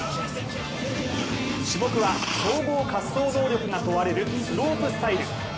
種目は、総合滑走能力が問われるスロープスタイル。